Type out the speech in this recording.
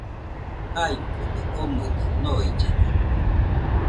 Jaɨkɨbe omɨde noillena